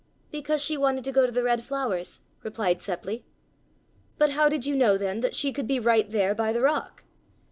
"Because she wanted to go to the red flowers," replied Seppli. "But how did you know then that she could be right there by the rock?"